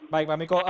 baik pak miko